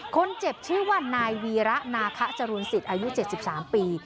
คนเจ็บชื่อว่านายวีระนาคะจรุนศิษย์อายุเจ็ดสิบสามปี